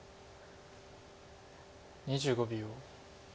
２５秒。